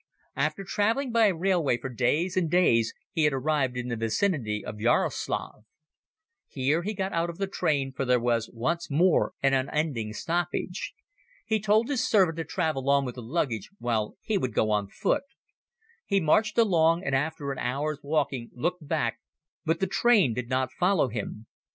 After traveling by railway for days and days he had arrived in the vicinity of Jaroslav. Here he got out of the train for there was once more an unending stoppage. He told his servant to travel on with the luggage while he would go on foot. He marched along and after an hour's walking looked back, but the train did not follow him.